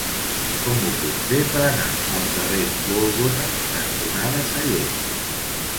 Com ho puc fer per anar al carrer Gòlgota cantonada Sallent?